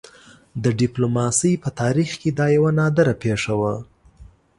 د ډيپلوماسۍ په تاریخ کې دا یوه نادره پېښه وه.